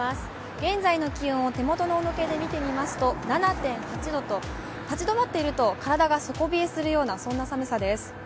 現在の気温を手元の温度計でみてみますと７．４度と立ち止まっていると体が底冷えするような寒さです。